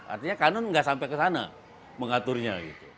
artinya kanun tidak sampai ke sana mengaturnya